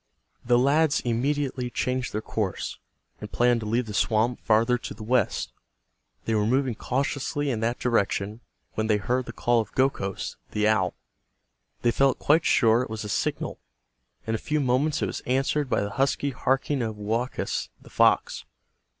The lads immediately changed their course, and planned to leave the swamp farther to the west. They were moving cautiously in that direction when they heard the call of Gokhos, the owl. They felt quite sure it was a signal. In a few moments it was answered by the husky harking of Woakus, the fox.